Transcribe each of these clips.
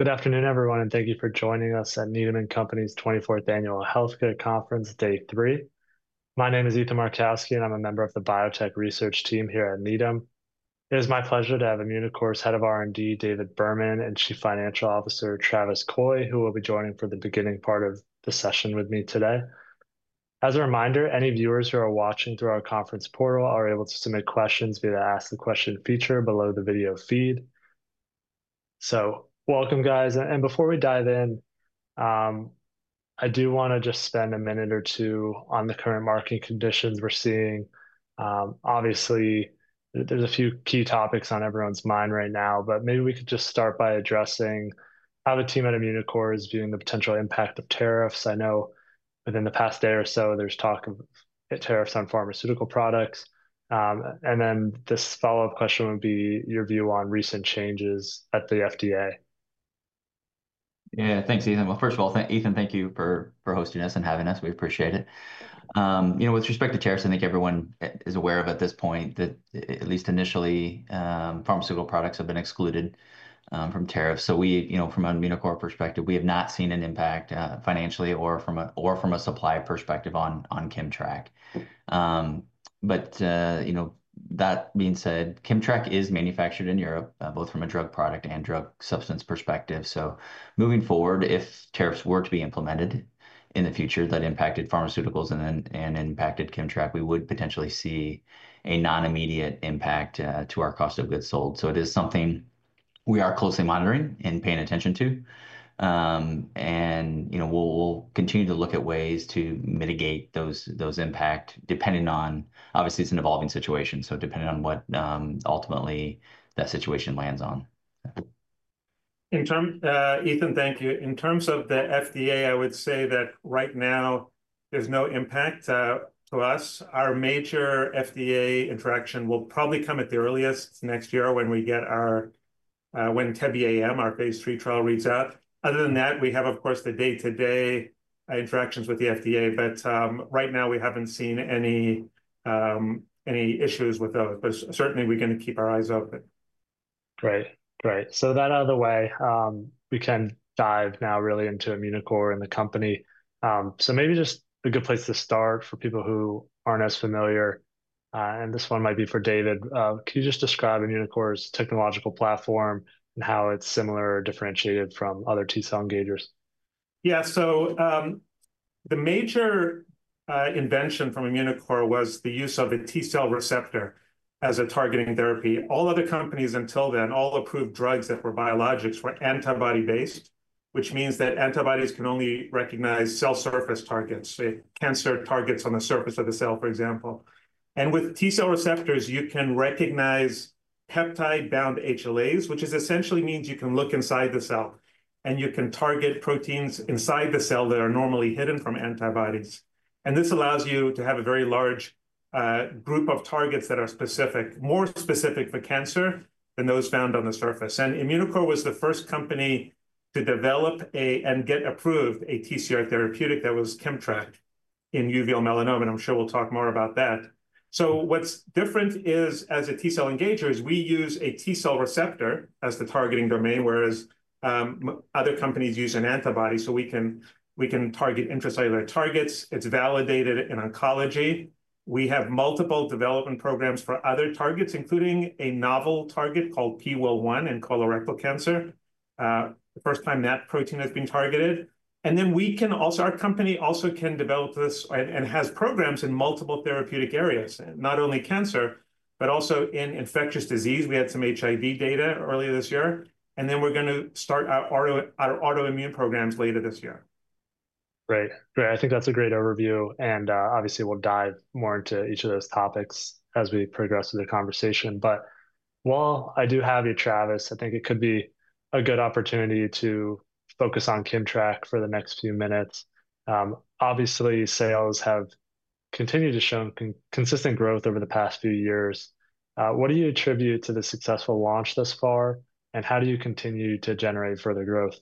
Good afternoon, everyone, and thank you for joining us at Needham & Company's 24th Annual Healthcare Conference, Day 3. My name is Ethan Markowski, and I'm a member of the Biotech Research Team here at Needham. It is my pleasure to have Immunocore's Head of R&D, David Berman, and Chief Financial Officer, Travis Coy, who will be joining for the beginning part of the session with me today. As a reminder, any viewers who are watching through our conference portal are able to submit questions via the Ask the Question feature below the video feed. Welcome, guys. Before we dive in, I do want to just spend a minute or two on the current marketing conditions we're seeing. Obviously, there's a few key topics on everyone's mind right now, but maybe we could just start by addressing how the team at Immunocore is viewing the potential impact of tariffs. I know within the past day or so, there's talk of tariffs on pharmaceutical products. The follow-up question would be your view on recent changes at the FDA. Yeah, thanks, Ethan. First of all, Ethan, thank you for hosting us and having us. We appreciate it. You know, with respect to tariffs, I think everyone is aware at this point that, at least initially, pharmaceutical products have been excluded from tariffs. We, you know, from an Immunocore perspective, have not seen an impact financially or from a supply perspective on KIMMTRAK. You know, that being said, KIMMTRAK is manufactured in Europe, both from a drug product and drug substance perspective. Moving forward, if tariffs were to be implemented in the future that impacted pharmaceuticals and impacted KIMMTRAK, we would potentially see a non-immediate impact to our cost of goods sold. It is something we are closely monitoring and paying attention to. You know, we'll continue to look at ways to mitigate those impacts, depending on, obviously, it's an evolving situation. Depending on what ultimately that situation lands on. Ethan, thank you. In terms of the FDA, I would say that right now, there's no impact to us. Our major FDA interaction will probably come at the earliest next year when we get our when TEBE-AM, our phase 3 trial, reads out. Other than that, we have, of course, the day-to-day interactions with the FDA. Right now, we haven't seen any issues with those. Certainly, we're going to keep our eyes open. Great. Great. That out of the way, we can dive now really into Immunocore and the company. Maybe just a good place to start for people who aren't as familiar, and this one might be for David, can you just describe Immunocore's technological platform and how it's similar or differentiated from other T-cell engagers? Yeah. The major invention from Immunocore was the use of a T-cell receptor as a targeting therapy. All other companies until then, all approved drugs that were biologics were antibody-based, which means that antibodies can only recognize cell surface targets, cancer targets on the surface of the cell, for example. With T-cell receptors, you can recognize peptide-bound HLAs, which essentially means you can look inside the cell and you can target proteins inside the cell that are normally hidden from antibodies. This allows you to have a very large group of targets that are more specific for cancer than those found on the surface. Immunocore was the first company to develop and get approved a TCR therapeutic that was KIMMTRAK in uveal melanoma. I'm sure we'll talk more about that. What's different is, as a T-cell engager, we use a T-cell receptor as the targeting domain, whereas other companies use an antibody. We can target intracellular targets. It's validated in oncology. We have multiple development programs for other targets, including a novel target called PIWIL1 in colorectal cancer, the first time that protein has been targeted. Our company also can develop this and has programs in multiple therapeutic areas, not only cancer, but also in infectious disease. We had some HIV data earlier this year. We're going to start our autoimmune programs later this year. Great. Great. I think that's a great overview. Obviously, we'll dive more into each of those topics as we progress through the conversation. While I do have you, Travis, I think it could be a good opportunity to focus on KIMMTRAK for the next few minutes. Obviously, sales have continued to show consistent growth over the past few years. What do you attribute to the successful launch thus far, and how do you continue to generate further growth?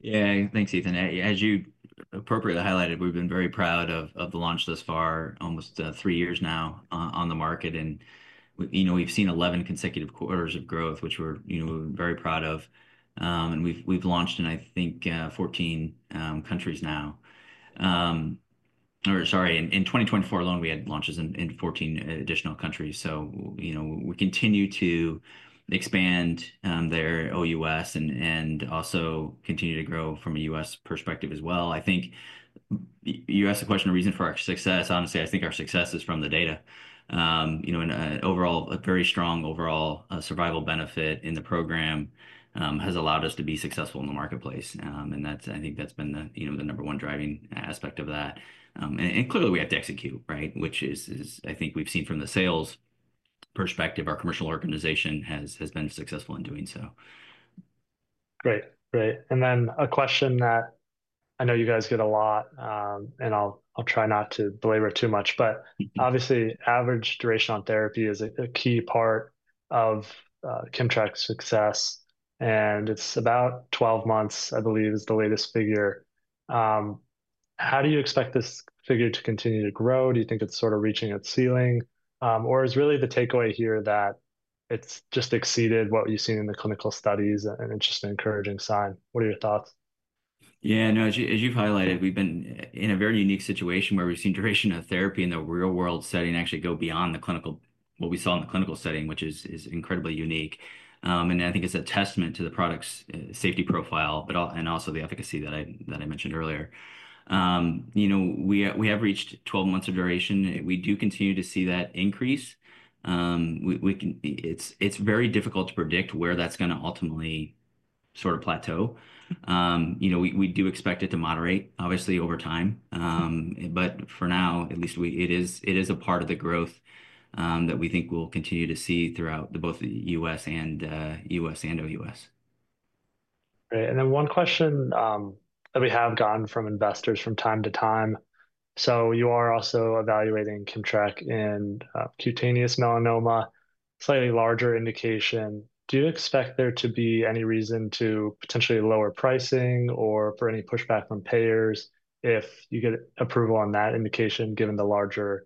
Yeah, thanks, Ethan. As you appropriately highlighted, we've been very proud of the launch thus far, almost three years now on the market. We have seen 11 consecutive quarters of growth, which we're very proud of. We have launched in, I think, 14 countries now. Sorry, in 2024 alone, we had launches in 14 additional countries. We continue to expand there OUS and also continue to grow from a US perspective as well. I think you asked the question of reason for our success. Honestly, I think our success is from the data. Overall, a very strong overall survival benefit in the program has allowed us to be successful in the marketplace. I think that's been the number one driving aspect of that. Clearly, we have to execute, right, which is, I think we've seen from the sales perspective, our commercial organization has been successful in doing so. Great. Great. A question that I know you guys get a lot, and I'll try not to belabor it too much, but obviously, average duration on therapy is a key part of KIMMTRAK's success. It's about 12 months, I believe, is the latest figure. How do you expect this figure to continue to grow? Do you think it's sort of reaching its ceiling? Or is really the takeaway here that it's just exceeded what you've seen in the clinical studies? An interesting, encouraging sign. What are your thoughts? Yeah, no, as you've highlighted, we've been in a very unique situation where we've seen duration of therapy in the real-world setting actually go beyond what we saw in the clinical setting, which is incredibly unique. I think it's a testament to the product's safety profile and also the efficacy that I mentioned earlier. We have reached 12 months of duration. We do continue to see that increase. It's very difficult to predict where that's going to ultimately sort of plateau. We do expect it to moderate, obviously, over time. For now, at least, it is a part of the growth that we think we'll continue to see throughout both the U.S. and OUS. Great. One question that we have gotten from investors from time to time. You are also evaluating KIMMTRAK in cutaneous melanoma, slightly larger indication. Do you expect there to be any reason to potentially lower pricing or for any pushback from payers if you get approval on that indication given the larger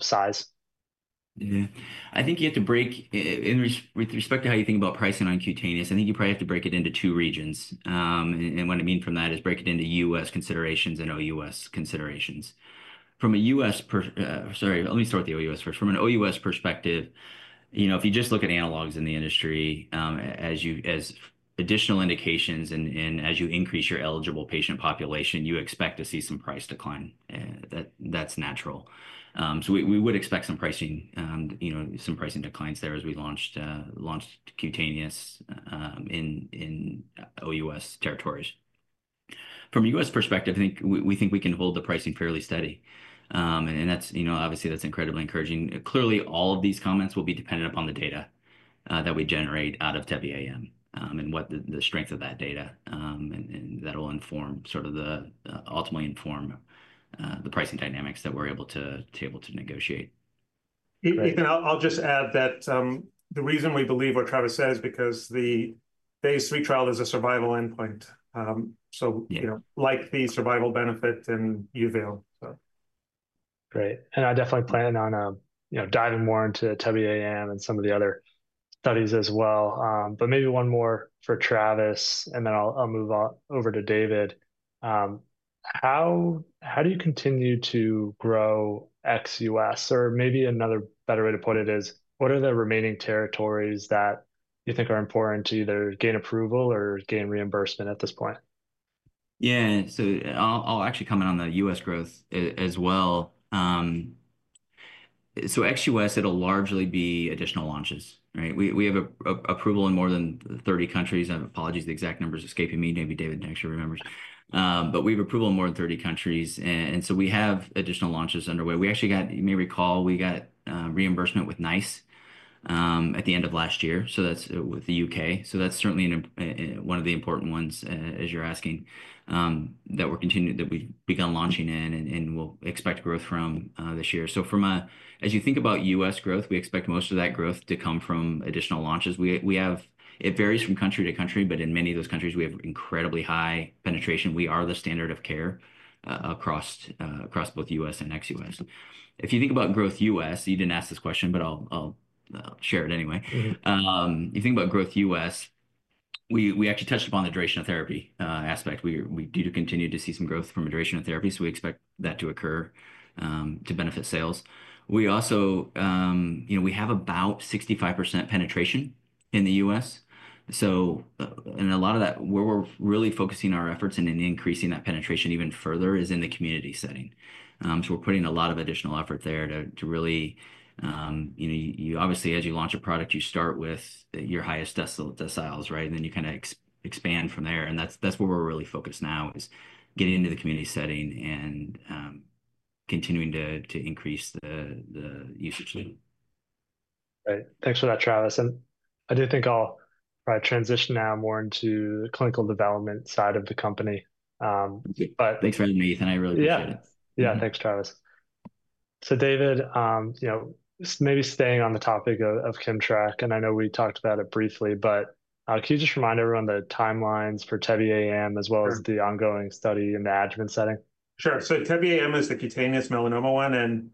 size? Yeah. I think you have to break with respect to how you think about pricing on cutaneous, I think you probably have to break it into two regions. What I mean from that is break it into US considerations and OUS considerations. From a US, sorry, let me start with the OUS first. From an OUS perspective, you know, if you just look at analogs in the industry, as additional indications and as you increase your eligible patient population, you expect to see some price decline. That's natural. We would expect some pricing declines there as we launched cutaneous in OUS territories. From a US perspective, I think we think we can hold the pricing fairly steady. Obviously, that's incredibly encouraging. Clearly, all of these comments will be dependent upon the data that we generate out of TEBE-AM and the strength of that data. That'll inform, sort of, the ultimately inform the pricing dynamics that we're able to negotiate. Ethan, I'll just add that the reason we believe what Travis said is because the phase 3 trial is a survival endpoint. Like the survival benefit in uveal. Great. I definitely plan on diving more into TEBE-AM and some of the other studies as well. Maybe one more for Travis, and then I'll move over to David. How do you continue to grow XUS? Or maybe another better way to put it is, what are the remaining territories that you think are important to either gain approval or gain reimbursement at this point? Yeah. I'll actually comment on the US growth as well. XUS, it'll largely be additional launches, right? We have approval in more than 30 countries. Apologies, the exact numbers are escaping me. Maybe David actually remembers. We have approval in more than 30 countries. We have additional launches underway. You may recall, we got reimbursement with NICE at the end of last year. That's with the UK. That's certainly one of the important ones, as you're asking, that we've begun launching in and will expect growth from this year. As you think about US growth, we expect most of that growth to come from additional launches. It varies from country to country, but in many of those countries, we have incredibly high penetration. We are the standard of care across both US and XUS. If you think about growth U.S., you didn't ask this question, but I'll share it anyway. If you think about growth U.S., we actually touched upon the duration of therapy aspect. We do continue to see some growth from a duration of therapy, so we expect that to occur to benefit sales. We also have about 65% penetration in the U.S. A lot of that, where we're really focusing our efforts and increasing that penetration even further, is in the community setting. We are putting a lot of additional effort there to really, obviously, as you launch a product, you start with your highest deciles, right? You kind of expand from there. That is where we're really focused now, getting into the community setting and continuing to increase the usage. Great. Thanks for that, Travis. I do think I'll probably transition now more into the clinical development side of the company. Thanks for having me, Ethan. I really appreciate it. Yeah. Yeah, thanks, Travis. David, maybe staying on the topic of KIMMTRAK, and I know we talked about it briefly, but can you just remind everyone the timelines for TEBE-AM as well as the ongoing study in the adjuvant setting? Sure. TEBE-AM is the cutaneous melanoma one.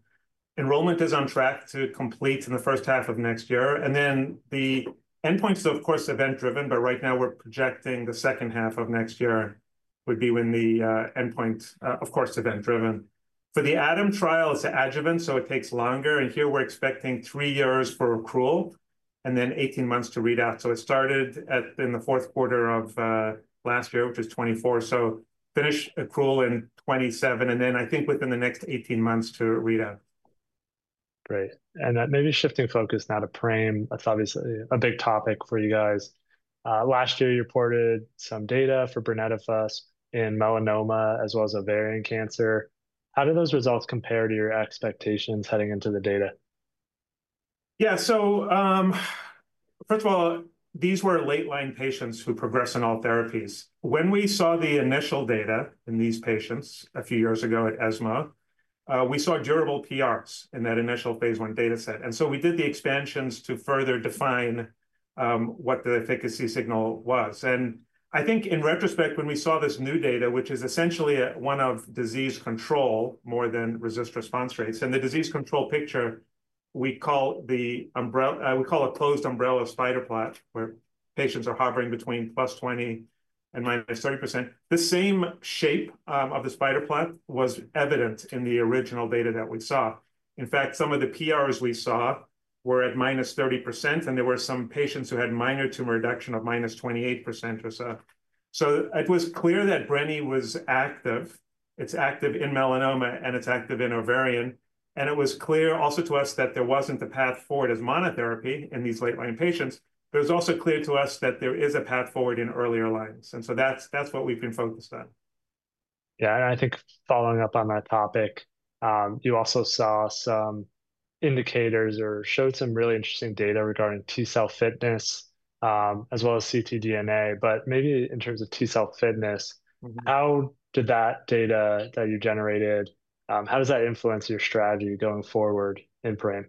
Enrollment is on track to complete in the first half of next year. The endpoints are, of course, event-driven. Right now, we're projecting the second half of next year would be when the endpoint, of course, event-driven. For the ATOM trial, it's adjuvant, so it takes longer. Here we're expecting three years for accrual and then 18 months to read out. It started in the fourth quarter of last year, which is 2024. Finish accrual in 2027. I think within the next 18 months to read out. Great. Maybe shifting focus now to PRAME. That's obviously a big topic for you guys. Last year, you reported some data for brenetafusp in melanoma as well as ovarian cancer. How do those results compare to your expectations heading into the data? Yeah. First of all, these were late-line patients who progressed on all therapies. When we saw the initial data in these patients a few years ago at ESMO, we saw durable PRs in that initial phase one data set. We did the expansions to further define what the efficacy signal was. I think in retrospect, when we saw this new data, which is essentially one of disease control more than RECIST response rates. The disease control picture, we call a closed umbrella spider plot where patients are hovering between +20% and -30%. The same shape of the spider plot was evident in the original data that we saw. In fact, some of the PRs we saw were at -30%, and there were some patients who had minor tumor reduction of -28% or so. It was clear that brenetafusp was active. It's active in melanoma, and it's active in ovarian. It was clear also to us that there wasn't a path forward as monotherapy in these late-line patients. It was also clear to us that there is a path forward in earlier lines. That's what we've been focused on. Yeah. I think following up on that topic, you also saw some indicators or showed some really interesting data regarding T-cell fitness as well as ctDNA. Maybe in terms of T-cell fitness, how did that data that you generated, how does that influence your strategy going forward in PRAME?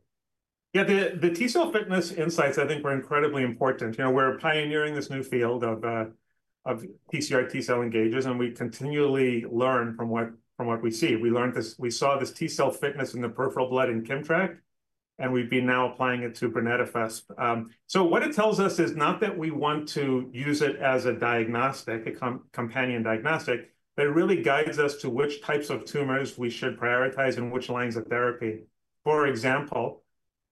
Yeah, the T-cell fitness insights, I think, were incredibly important. We're pioneering this new field of T-cell engagers, and we continually learn from what we see. We saw this T-cell fitness in the peripheral blood in KIMMTRAK, and we've been now applying it to IMC-F106C. What it tells us is not that we want to use it as a diagnostic, a companion diagnostic, but it really guides us to which types of tumors we should prioritize and which lines of therapy. For example,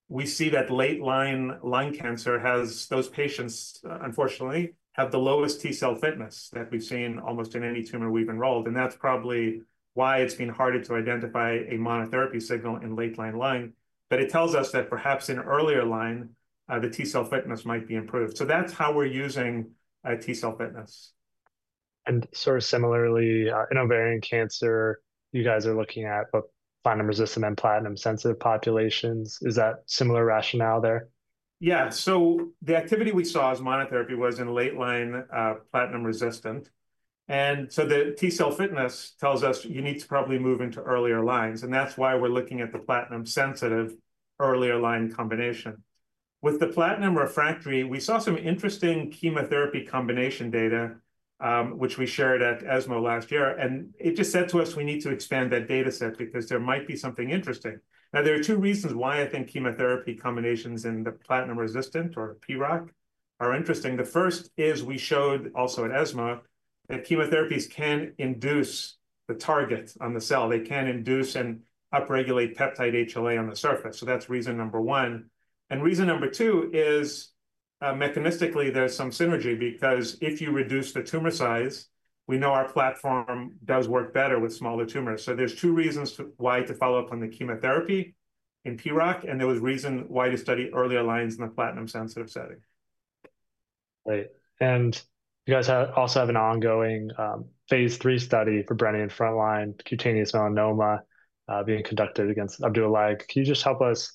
we see that late-line lung cancer has those patients, unfortunately, have the lowest T-cell fitness that we've seen almost in any tumor we've enrolled. That's probably why it's been harder to identify a monotherapy signal in late-line lung. It tells us that perhaps in earlier line, the T-cell fitness might be improved. That's how we're using T-cell fitness. Sort of similarly, in ovarian cancer, you guys are looking at both platinum-resistant and platinum-sensitive populations. Is that similar rationale there? Yeah. The activity we saw as monotherapy was in late-line platinum-resistant. The T-cell fitness tells us you need to probably move into earlier lines. That is why we are looking at the platinum-sensitive earlier line combination. With the platinum refractory, we saw some interesting chemotherapy combination data, which we shared at ESMO last year. It just said to us we need to expand that data set because there might be something interesting. Now, there are two reasons why I think chemotherapy combinations in the platinum-resistant or PROC are interesting. The first is we showed also at ESMO that chemotherapies can induce the target on the cell. They can induce and upregulate peptide HLA on the surface. That is reason number one. Reason number two is mechanistically, there is some synergy because if you reduce the tumor size, we know our platform does work better with smaller tumors. There are two reasons why to follow up on the chemotherapy in PROC, and there was a reason why to study earlier lines in the platinum-sensitive setting. Great. You guys also have an ongoing phase three study for brenetafusp in frontline cutaneous melanoma being conducted against Opdualag. Can you just help us,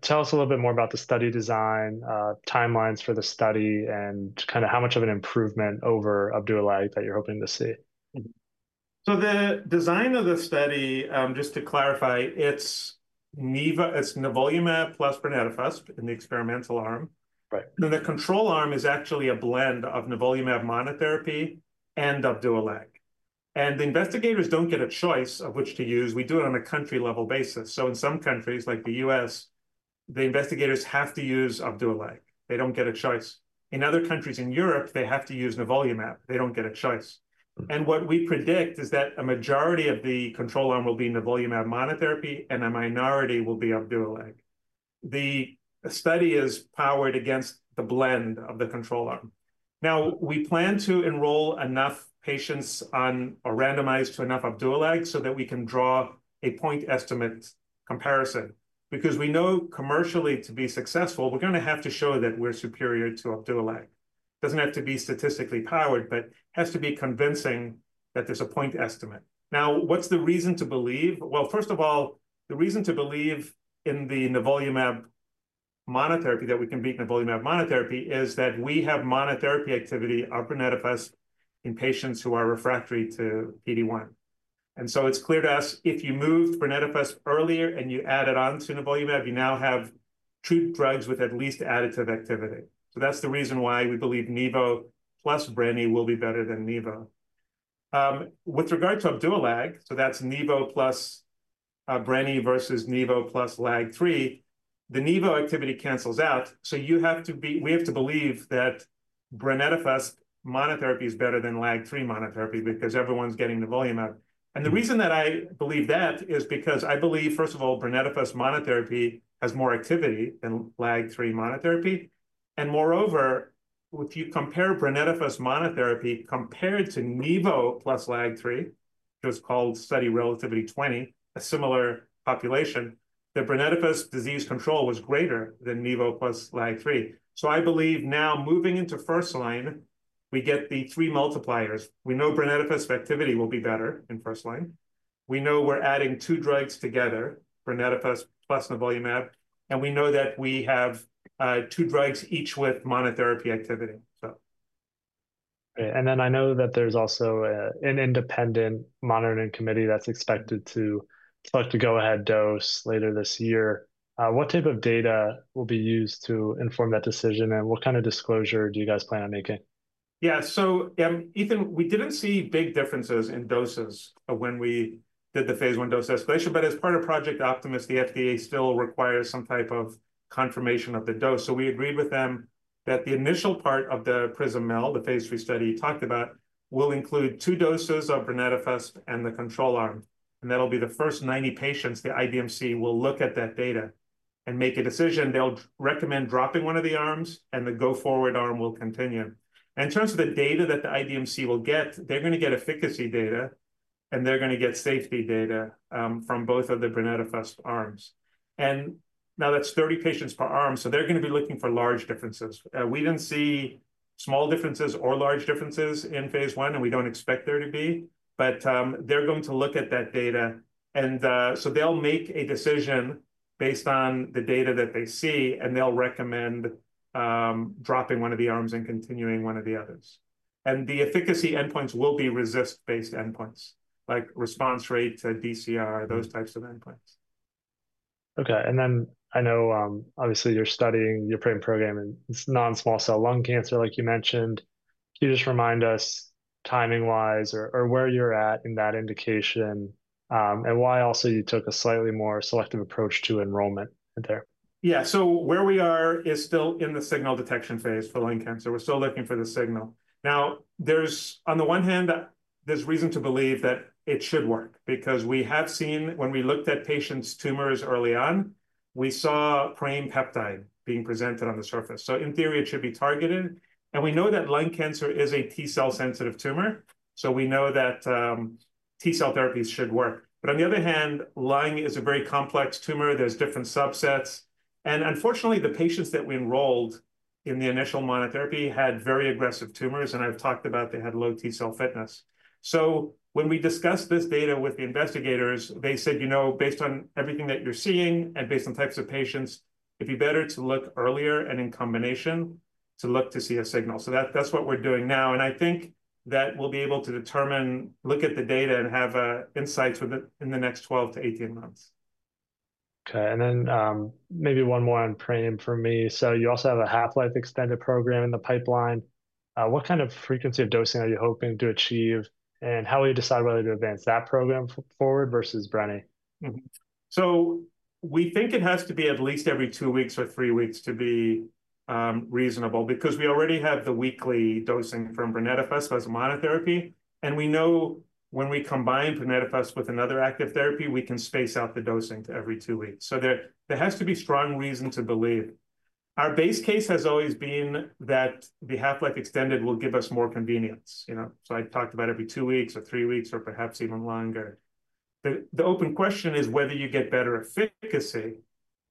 tell us a little bit more about the study design, timelines for the study, and kind of how much of an improvement over Opdualag that you're hoping to see? The design of the study, just to clarify, it's nivolumab plus brenetafusp in the experimental arm. The control arm is actually a blend of nivolumab monotherapy and Opdualag. The investigators don't get a choice of which to use. We do it on a country-level basis. In some countries, like the US, the investigators have to use Opdualag. They don't get a choice. In other countries in Europe, they have to use nivolumab. They don't get a choice. What we predict is that a majority of the control arm will be nivolumab monotherapy, and a minority will be Opdualag. The study is powered against the blend of the control arm. We plan to enroll enough patients on or randomize to enough Opdualag so that we can draw a point estimate comparison. Because we know commercially to be successful, we're going to have to show that we're superior to Opdualag. It doesn't have to be statistically powered, but has to be convincing that there's a point estimate. Now, what's the reason to believe? First of all, the reason to believe in the nivolumab monotherapy that we can beat nivolumab monotherapy is that we have monotherapy activity on IMC-F106C in patients who are refractory to PD-1. It's clear to us if you move IMC-F106C earlier and you add it on to nivolumab, you now have two drugs with at least additive activity. That's the reason why we believe Nivo plus brenetafusp will be better than Nivo. With regard to Opdualag, that's Nivo plus brenetafusp versus Nivo plus LAG3, the Nivo activity cancels out. We have to believe that brenetafusp monotherapy is better than LAG3 monotherapy because everyone's getting nivolumab. The reason that I believe that is because I believe, first of all, brenetafusp monotherapy has more activity than LAG3 monotherapy. Moreover, if you compare brenetafusp monotherapy compared to Nivo plus LAG3, which was called study RELATIVITY-20, a similar population, the brenetafusp disease control was greater than Nivo plus LAG3. I believe now moving into first line, we get the three multipliers. We know brenetafusp activity will be better in first line. We know we're adding two drugs together, brenetafusp plus nivolumab, and we know that we have two drugs each with monotherapy activity. I know that there's also an independent monitoring committee that's expected to select a go-ahead dose later this year. What type of data will be used to inform that decision, and what kind of disclosure do you guys plan on making? Yeah. Ethan, we did not see big differences in doses when we did the phase one dose escalation. As part of Project Optimus, the FDA still requires some type of confirmation of the dose. We agreed with them that the initial part of the PRISM-MEL, the phase three study talked about, will include two doses of brenetafusp and the control arm. That will be the first 90 patients. The IDMC will look at that data and make a decision. They will recommend dropping one of the arms, and the go-forward arm will continue. In terms of the data that the IDMC will get, they are going to get efficacy data, and they are going to get safety data from both of the brenetafusp arms. That is 30 patients per arm, so they are going to be looking for large differences. We did not see small differences or large differences in phase I, and we do not expect there to be. They are going to look at that data. They will make a decision based on the data that they see, and they will recommend dropping one of the arms and continuing one of the others. The efficacy endpoints will be RECIST-based endpoints, like response rate to DCR, those types of endpoints. Okay. I know, obviously, you're studying your PRAME program in non-small cell lung cancer, like you mentioned. Can you just remind us timing-wise or where you're at in that indication and why also you took a slightly more selective approach to enrollment there? Yeah. Where we are is still in the signal detection phase for lung cancer. We're still looking for the signal. Now, on the one hand, there's reason to believe that it should work because we have seen when we looked at patients' tumors early on, we saw PRAME peptide being presented on the surface. In theory, it should be targeted. We know that lung cancer is a T-cell-sensitive tumor. We know that T-cell therapies should work. On the other hand, lung is a very complex tumor. There are different subsets. Unfortunately, the patients that we enrolled in the initial monotherapy had very aggressive tumors. I've talked about they had low T-cell fitness. When we discussed this data with the investigators, they said, "Based on everything that you're seeing and based on types of patients, it'd be better to look earlier and in combination to look to see a signal." That is what we're doing now. I think that we'll be able to determine, look at the data and have insights in the next 12 to 18 months. Okay. Maybe one more on PRAME for me. You also have a half-life extended program in the pipeline. What kind of frequency of dosing are you hoping to achieve, and how will you decide whether to advance that program forward versus brenetafusp? We think it has to be at least every two weeks or three weeks to be reasonable because we already have the weekly dosing from brenetafusp as a monotherapy. We know when we combine brenetafusp with another active therapy, we can space out the dosing to every two weeks. There has to be strong reason to believe. Our base case has always been that the half-life extended will give us more convenience. I talked about every two weeks or three weeks or perhaps even longer. The open question is whether you get better efficacy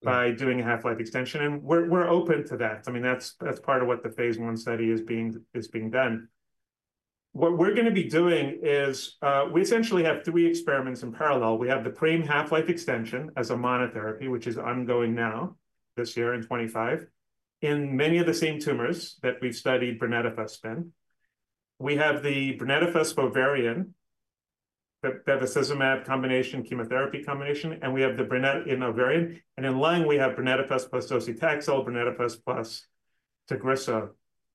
by doing a half-life extension. We're open to that. I mean, that's part of what the phase one study is being done. What we're going to be doing is we essentially have three experiments in parallel. We have the PRAME half-life extension as a monotherapy, which is ongoing now this year in 2025, in many of the same tumors that we've studied brenetafusp in. We have the brenetafusp for ovarian, bevacizumab combination, chemotherapy combination, and we have the brenetafusp in ovarian. In lung, we have brenetafusp plus docetaxel, brenetafusp plus osimertinib.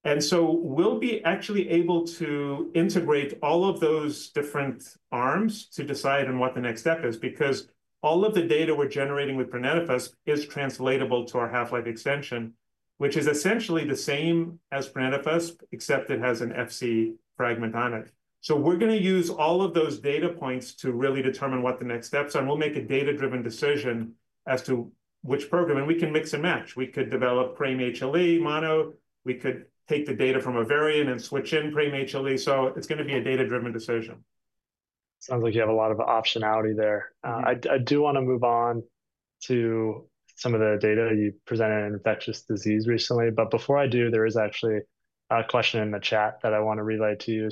We will be actually able to integrate all of those different arms to decide on what the next step is because all of the data we're generating with brenetafusp is translatable to our half-life extension, which is essentially the same as brenetafusp, except it has an FC fragment on it. We are going to use all of those data points to really determine what the next steps are. We will make a data-driven decision as to which program. We can mix and match. We could develop PRAME HLE mono. We could take the data from ovarian and switch in PRAME HLE. It is going to be a data-driven decision. Sounds like you have a lot of optionality there. I do want to move on to some of the data you presented in infectious disease recently. Before I do, there is actually a question in the chat that I want to relay to you.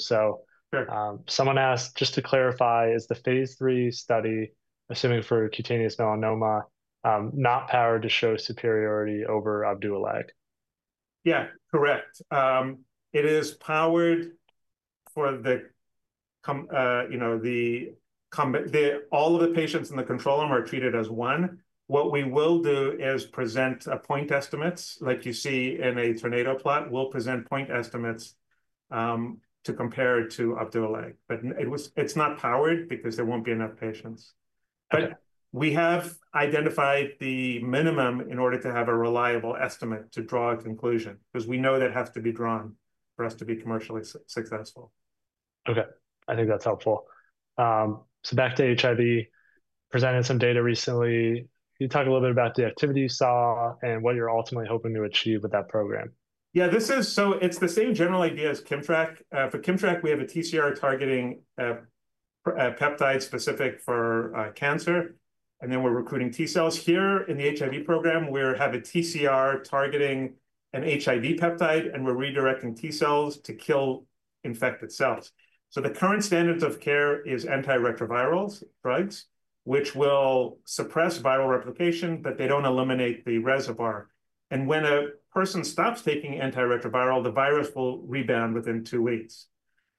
Someone asked, just to clarify, is the phase three study, assuming for cutaneous melanoma, not powered to show superiority over Opdualag? Yeah, correct. It is powered for all of the patients in the control arm are treated as one. What we will do is present point estimates. Like you see in a tornado plot, we'll present point estimates to compare to Opdualag. It is not powered because there will not be enough patients. We have identified the minimum in order to have a reliable estimate to draw a conclusion because we know that has to be drawn for us to be commercially successful. Okay. I think that's helpful. Back to HIV, presented some data recently. Can you talk a little bit about the activity you saw and what you're ultimately hoping to achieve with that program? Yeah. It is the same general idea as KIMMTRAK. For KIMMTRAK, we have a TCR targeting peptide specific for cancer, and then we are recruiting T-cells. Here in the HIV program, we have a TCR targeting an HIV peptide, and we are redirecting T-cells to kill infected cells. The current standards of care are antiretroviral drugs, which will suppress viral replication, but they do not eliminate the reservoir. When a person stops taking antiretroviral, the virus will rebound within two weeks.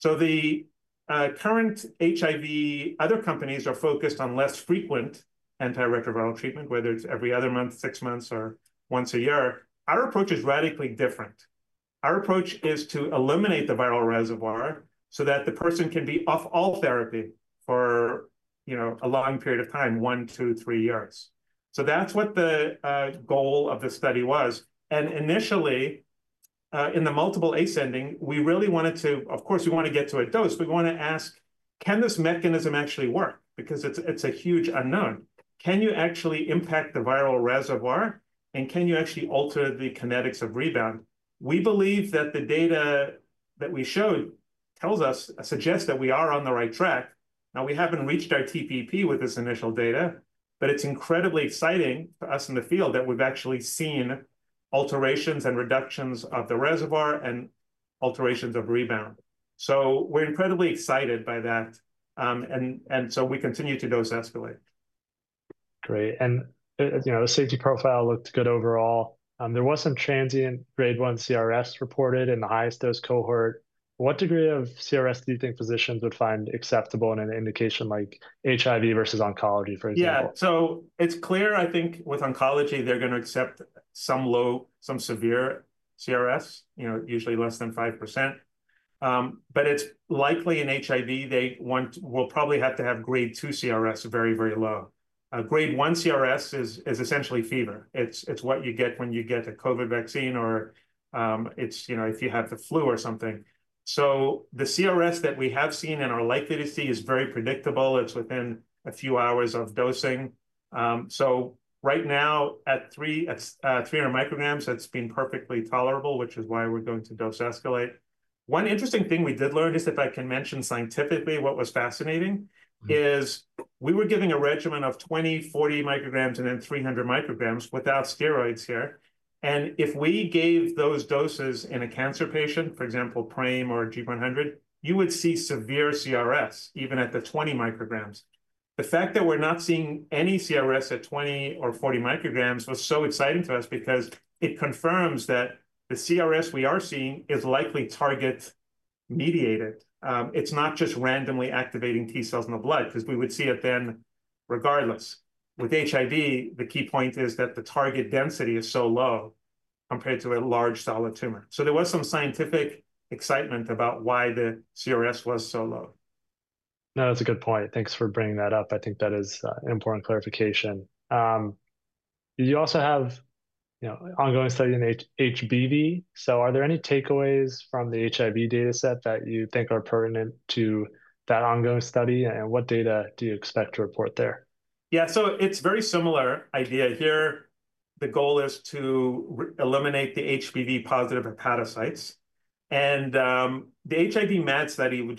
The current HIV other companies are focused on less frequent antiretroviral treatment, whether it is every other month, six months, or once a year. Our approach is radically different. Our approach is to eliminate the viral reservoir so that the person can be off all therapy for a long period of time, one, two, three years. That is what the goal of the study was. Initially, in the multiple ascending, we really wanted to, of course, we want to get to a dose, but we want to ask, can this mechanism actually work? Because it's a huge unknown. Can you actually impact the viral reservoir, and can you actually alter the kinetics of rebound? We believe that the data that we showed suggests that we are on the right track. Now, we haven't reached our TPP with this initial data, but it's incredibly exciting to us in the field that we've actually seen alterations and reductions of the reservoir and alterations of rebound. We are incredibly excited by that. We continue to dose escalate. Great. The safety profile looked good overall. There was some transient grade 1 CRS reported in the highest dose cohort. What degree of CRS do you think physicians would find acceptable in an indication like HIV versus oncology, for example? Yeah. It is clear, I think, with oncology, they are going to accept some low, some severe CRS, usually less than 5%. It is likely in HIV, they will probably have to have grade 2 CRS very, very low. Grade 1 CRS is essentially fever. It is what you get when you get a COVID vaccine or if you have the flu or something. The CRS that we have seen and are likely to see is very predictable. It is within a few hours of dosing. Right now, at 300 micrograms, that has been perfectly tolerable, which is why we are going to dose escalate. One interesting thing we did learn, if I can mention scientifically what was fascinating, is we were giving a regimen of 20, 40 micrograms, and then 300 micrograms without steroids here. If we gave those doses in a cancer patient, for example, PRAME or gp100, you would see severe CRS even at the 20 micrograms. The fact that we're not seeing any CRS at 20 or 40 micrograms was so exciting to us because it confirms that the CRS we are seeing is likely target-mediated. It's not just randomly activating T-cells in the blood because we would see it then regardless. With HIV, the key point is that the target density is so low compared to a large solid tumor. There was some scientific excitement about why the CRS was so low. No, that's a good point. Thanks for bringing that up. I think that is an important clarification. You also have ongoing study in HBV. Are there any takeaways from the HIV dataset that you think are pertinent to that ongoing study, and what data do you expect to report there? Yeah. It is a very similar idea here. The goal is to eliminate the HBV-positive hepatocytes. The HIV MAD study,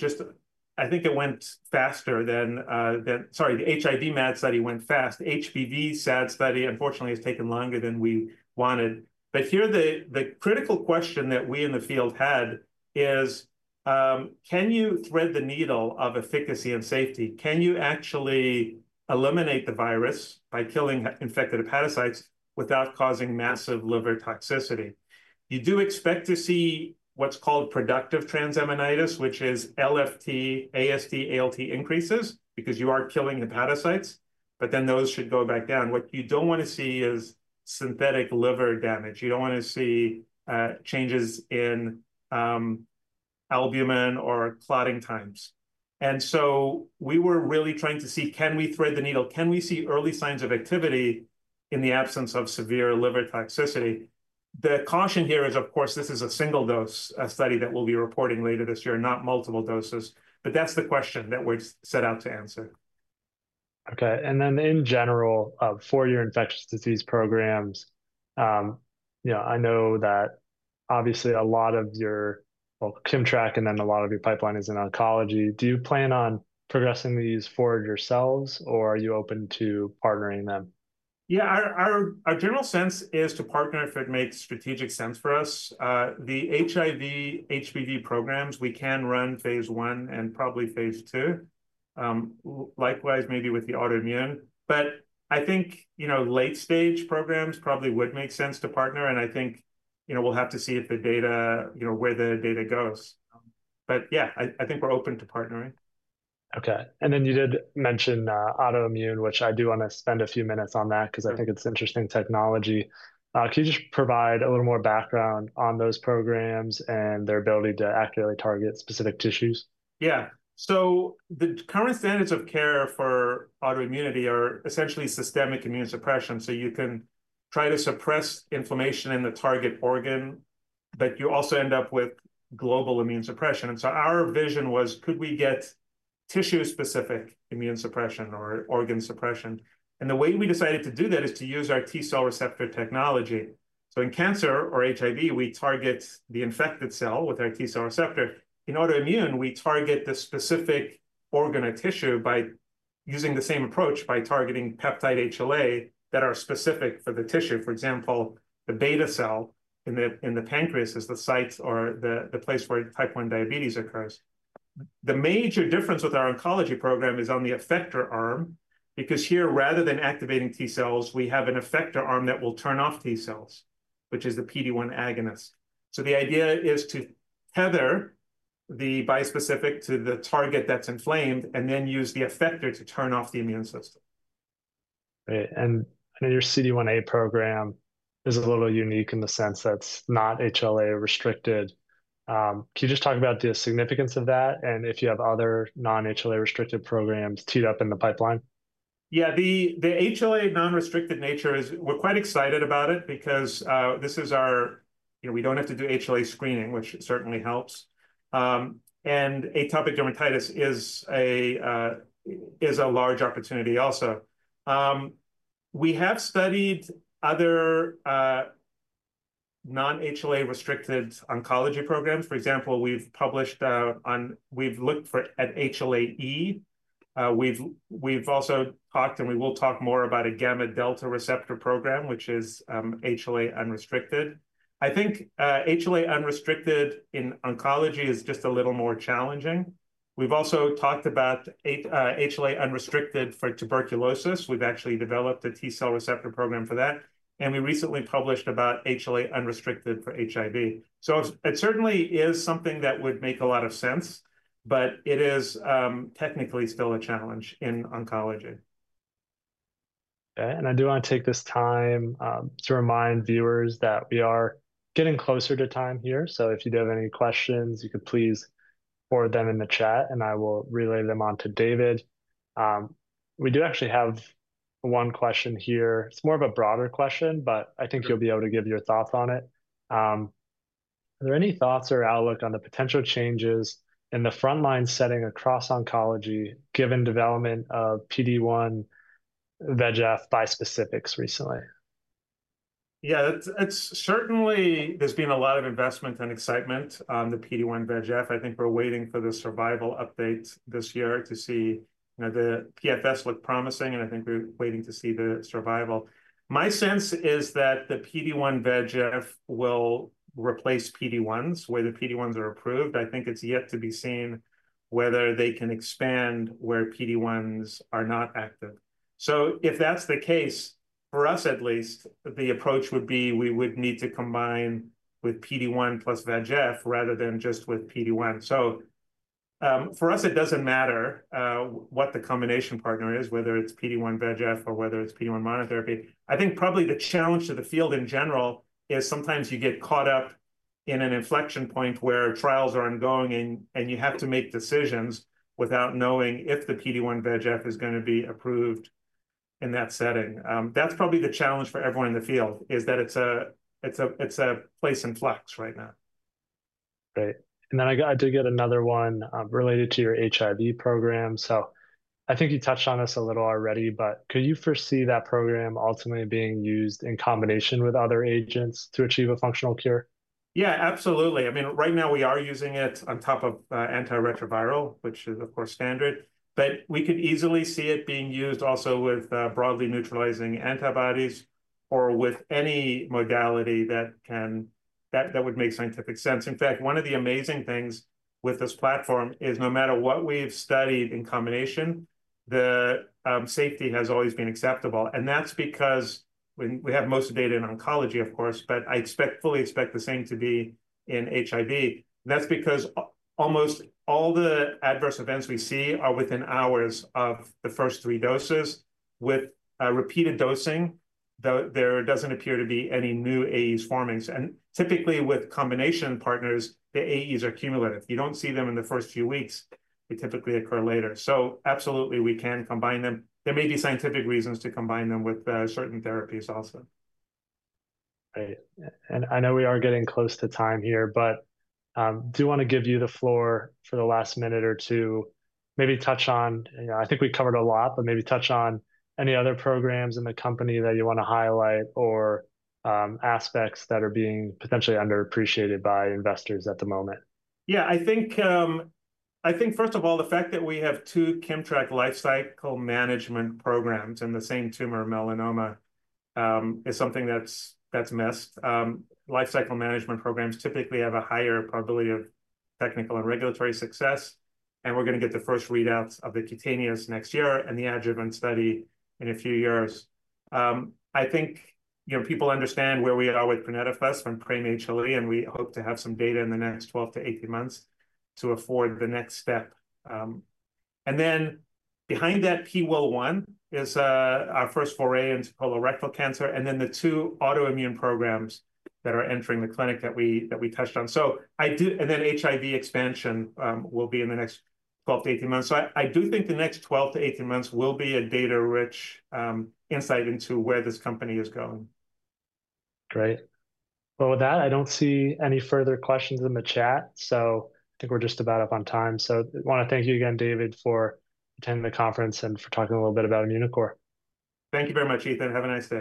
I think it went faster than—sorry, the HIV MAD study went fast. The HBV SAD study, unfortunately, has taken longer than we wanted. Here, the critical question that we in the field had is, can you thread the needle of efficacy and safety? Can you actually eliminate the virus by killing infected hepatocytes without causing massive liver toxicity? You do expect to see what is called productive transaminitis, which is LFT, AST, ALT increases because you are killing hepatocytes, but then those should go back down. What you do not want to see is synthetic liver damage. You do not want to see changes in albumin or clotting times. We were really trying to see, can we thread the needle? Can we see early signs of activity in the absence of severe liver toxicity? The caution here is, of course, this is a single-dose study that we'll be reporting later this year, not multiple doses. That is the question that we're set out to answer. Okay. And then in general, for your infectious disease programs, I know that obviously a lot of your, well, KIMMTRAK and then a lot of your pipeline is in oncology. Do you plan on progressing these for yourselves, or are you open to partnering them? Yeah. Our general sense is to partner if it makes strategic sense for us. The HIV, HBV programs, we can run phase one and probably phase two, likewise maybe with the autoimmune. I think late-stage programs probably would make sense to partner. I think we'll have to see where the data goes. Yeah, I think we're open to partnering. Okay. You did mention autoimmune, which I do want to spend a few minutes on that because I think it's interesting technology. Can you just provide a little more background on those programs and their ability to accurately target specific tissues? Yeah. The current standards of care for autoimmunity are essentially systemic immune suppression. You can try to suppress inflammation in the target organ, but you also end up with global immune suppression. Our vision was, could we get tissue-specific immune suppression or organ suppression? The way we decided to do that is to use our T-cell receptor technology. In cancer or HIV, we target the infected cell with our T-cell receptor. In autoimmune, we target the specific organ or tissue by using the same approach by targeting peptide HLA that are specific for the tissue. For example, the beta cell in the pancreas is the site or the place where type 1 diabetes occurs. The major difference with our oncology program is on the effector arm because here, rather than activating T-cells, we have an effector arm that will turn off T-cells, which is the PD-1 agonist. The idea is to tether the bispecific to the target that's inflamed and then use the effector to turn off the immune system. Great. I know your CD1a program is a little unique in the sense that's not HLA-restricted. Can you just talk about the significance of that and if you have other non-HLA-restricted programs teed up in the pipeline? Yeah. The HLA non-restricted nature is we're quite excited about it because this is our we don't have to do HLA screening, which certainly helps. Atopic dermatitis is a large opportunity also. We have studied other non-HLA-restricted oncology programs. For example, we've looked at HLA-E. We've also talked, and we will talk more about a gamma delta receptor program, which is HLA unrestricted. I think HLA unrestricted in oncology is just a little more challenging. We've also talked about HLA unrestricted for tuberculosis. We've actually developed a T-cell receptor program for that. We recently published about HLA unrestricted for HIV. It certainly is something that would make a lot of sense, but it is technically still a challenge in oncology. Okay. I do want to take this time to remind viewers that we are getting closer to time here. If you do have any questions, you could please forward them in the chat, and I will relay them on to David. We do actually have one question here. It's more of a broader question, but I think you'll be able to give your thoughts on it. Are there any thoughts or outlook on the potential changes in the frontline setting across oncology given development of PD-1 VEGF bispecifics recently? Yeah. Certainly, there's been a lot of investment and excitement on the PD-1 VEGF. I think we're waiting for the survival update this year to see the PFS look promising, and I think we're waiting to see the survival. My sense is that the PD-1 VEGF will replace PD-1s where the PD-1s are approved. I think it's yet to be seen whether they can expand where PD-1s are not active. If that's the case, for us at least, the approach would be we would need to combine with PD-1 plus VEGF rather than just with PD-1. For us, it doesn't matter what the combination partner is, whether it's PD-1 VEGF or whether it's PD-1 monotherapy. I think probably the challenge to the field in general is sometimes you get caught up in an inflection point where trials are ongoing, and you have to make decisions without knowing if the PD-1 VEGF is going to be approved in that setting. That's probably the challenge for everyone in the field is that it's a place in flux right now. Great. I did get another one related to your HIV program. I think you touched on this a little already, but could you foresee that program ultimately being used in combination with other agents to achieve a functional cure? Yeah, absolutely. I mean, right now, we are using it on top of antiretroviral, which is, of course, standard. But we could easily see it being used also with broadly neutralizing antibodies or with any modality that would make scientific sense. In fact, one of the amazing things with this platform is no matter what we've studied in combination, the safety has always been acceptable. That's because we have most data in oncology, of course, but I fully expect the same to be in HIV. That's because almost all the adverse events we see are within hours of the first three doses. With repeated dosing, there doesn't appear to be any new AEs forming. Typically, with combination partners, the AEs are cumulative. You don't see them in the first few weeks. They typically occur later. Absolutely, we can combine them. There may be scientific reasons to combine them with certain therapies also. Great. I know we are getting close to time here, but I do want to give you the floor for the last minute or two, maybe touch on I think we covered a lot, but maybe touch on any other programs in the company that you want to highlight or aspects that are being potentially underappreciated by investors at the moment. Yeah. I think, first of all, the fact that we have two KIMMTRAK lifecycle management programs in the same tumor, melanoma, is something that's missed. Lifecycle management programs typically have a higher probability of technical and regulatory success. We're going to get the first readouts of the cutaneous next year and the adjuvant study in a few years. I think people understand where we are with IMC-F106C from PRAME, HLA, and we hope to have some data in the next 12-18 months to afford the next step. Behind that, PIWIL1 is our first foray into colorectal cancer, and then the two autoimmune programs that are entering the clinic that we touched on. I do, and then HIV expansion will be in the next 12-18 months. I do think the next 12 to 18 months will be a data-rich insight into where this company is going. Great. With that, I do not see any further questions in the chat. I think we are just about up on time. I want to thank you again, David, for attending the conference and for talking a little bit about Immunocore. Thank you very much, Ethan. Have a nice day.